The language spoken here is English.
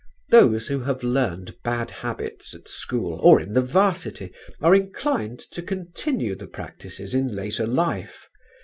Those who have learned bad habits at school or in the 'Varsity are inclined to continue the practices in later life.